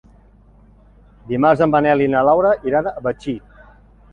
Dimarts en Manel i na Laura iran a Betxí.